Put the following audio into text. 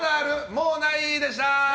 もうない？でした。